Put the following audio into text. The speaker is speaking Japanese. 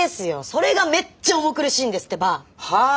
それがめっちゃ重苦しいんですってば。はああ。